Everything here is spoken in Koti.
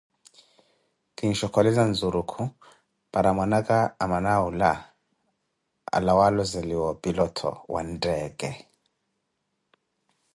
Kinshokoleza nzurukhu para mwanaka amana awula, alawe alozeliwe opilottho wa ntteeke.